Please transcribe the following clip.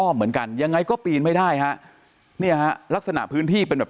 อ้อมเหมือนกันยังไงก็ปีนไม่ได้ฮะลักษณะพื้นที่เป็นแบบ